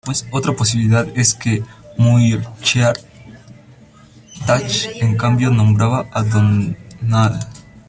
Otra posibilidad es que Muirchertach en cambio nombrara a Domnall.